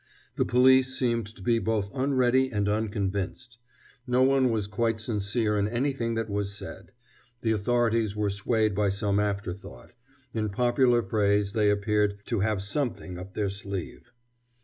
The police seemed to be both unready and unconvinced; no one was quite sincere in anything that was said; the authorities were swayed by some afterthought; in popular phrase, they appeared "to have something up their sleeve."